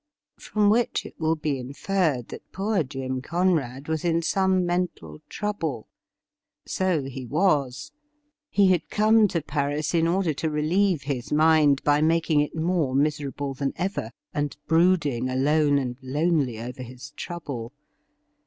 From which it will be inferred that poor Jim Conrad was in some mental trouble. So he was. He had come to Paris in order to relieve his mind by making it more miser able than ever, and brooding alone and lonely over his trouble.